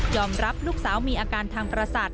รับลูกสาวมีอาการทางประสาท